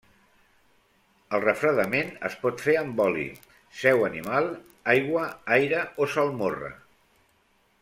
El refredament es pot fer amb oli, sèu animal, aigua, aire o salmorra.